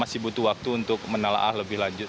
masih butuh waktu untuk menelaah lebih lanjut